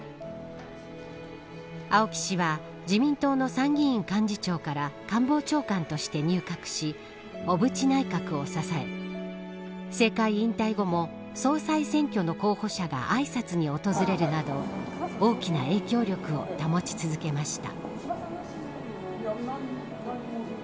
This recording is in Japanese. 青木氏は自民党の参議院幹事長から官房長官として入閣し小渕内閣を支え政界引退後も総裁選挙の候補者があいさつに訪れるなど大きな影響力を保ち続けました。